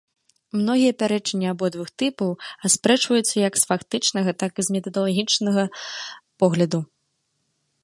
Многія пярэчанні абодвух тыпаў аспрэчваюцца як з фактычнага, так і з метадалагічнага погляду.